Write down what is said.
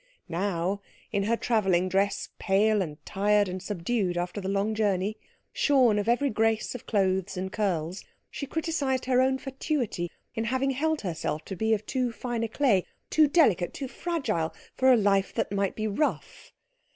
Now, in her travelling dress, pale and tired and subdued after the long journey, shorn of every grace of clothes and curls, she criticised her own fatuity in having held herself to be of too fine a clay, too delicate, too fragile, for a life that might be rough.